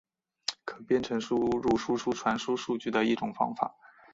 可编程输入输出传输数据的一种方法。